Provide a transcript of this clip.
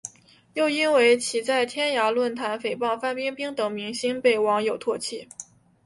又因为其在天涯论坛诽谤范冰冰等明星被网友唾弃。